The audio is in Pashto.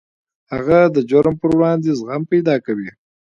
هغه د جرم پر وړاندې زغم پیدا کوي